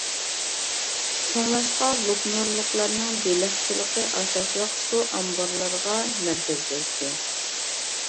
شۇڭلاشقا، لوپنۇرلۇقلارنىڭ بېلىقچىلىقى ئاساسلىق سۇ ئامبارلىرىغا مەركەزلەشتى.